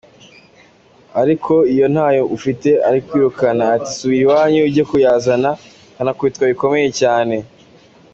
Ariko iyo ntayo ufite arakwirukana ati �?Subira iwanyu ujye kuyazana’ ukanakubitwa bikomeye cyabe.